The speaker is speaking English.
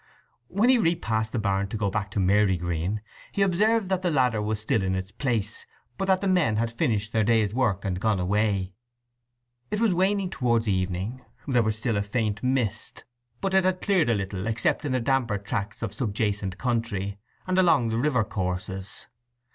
When he repassed the barn to go back to Marygreen he observed that the ladder was still in its place, but that the men had finished their day's work and gone away. It was waning towards evening; there was still a faint mist, but it had cleared a little except in the damper tracts of subjacent country and along the river courses.